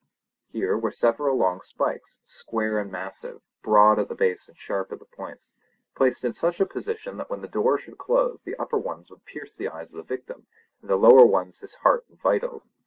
Here were several long spikes, square and massive, broad at the base and sharp at the points, placed in such a position that when the door should close the upper ones would pierce the eyes of the victim, and the lower ones his heart and vitals.